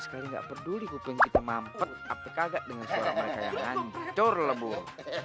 sekali nggak peduli kuping kita mampet tapi kaget dengan suara mereka yang hancur lebur